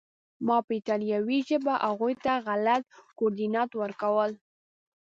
ما به په ایټالوي ژبه هغوی ته غلط کوردینات ورکول